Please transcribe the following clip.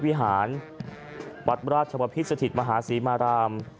วัดราชบพิสทธิสธิตมหาศิมาราม